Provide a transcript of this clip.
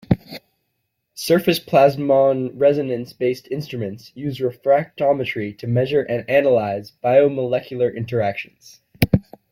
Surface plasmon resonance-based instruments use refractometry to measure and analyze biomolecular interactions.